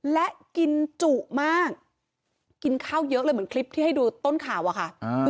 และกินจุมากกินข้าวเยอะเลยเหมือนคลิปที่ให้ดูต้นข่าวอะค่ะ